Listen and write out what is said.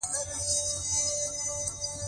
ځینې خلک عالي ژوند نه غواړي بلکې خوشاله ژوند غواړي.